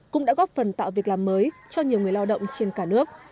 cũng đã góp phần tạo việc làm mới cho nhiều người lao động trên cả nước